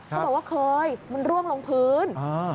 บอกว่าเคยมันร่วงลงพื้น